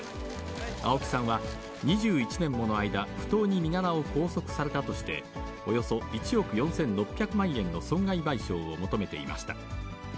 青木さんは、２１年もの間、不当に身柄を拘束されたとして、およそ１億４６００万円の損害賠償を求めていました。